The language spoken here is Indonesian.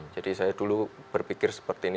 saya dulu berpikir seperti ini